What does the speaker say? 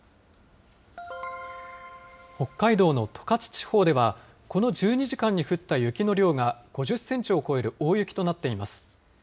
北海道の十勝地方では、この１２時間に降った雪の量が５０センチを超える大雪となっています。